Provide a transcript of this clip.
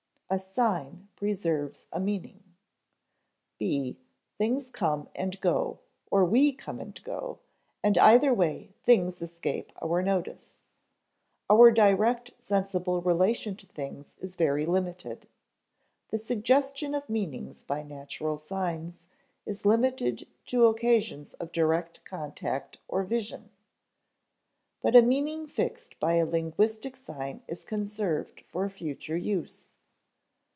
[Sidenote: A sign preserves a meaning] (b) Things come and go; or we come and go, and either way things escape our notice. Our direct sensible relation to things is very limited. The suggestion of meanings by natural signs is limited to occasions of direct contact or vision. But a meaning fixed by a linguistic sign is conserved for future use.